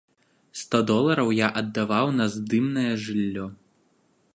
Сто долараў я аддаваў на здымнае жыллё.